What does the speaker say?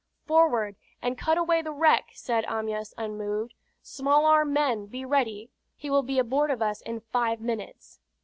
"Forward, and cut away the wreck!" said Amyas, unmoved. "Small arm men, be ready. He will be aboard of us in five minutes!"